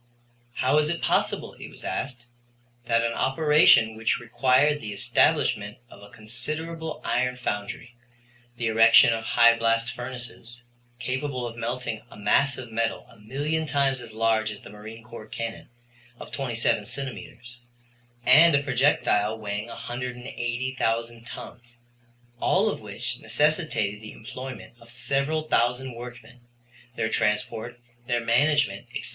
How was it possible, it was asked, that an operation which required the establishment of a considerable iron foundry, the erection of high blast furnaces, capable of melting a mass of metal a million times as large as the marine corps cannon of 27 centimeters, and a projectile weighing 180,000 tons, all of which necessitated the employment of several thousand workmen, their transport, their management, etc.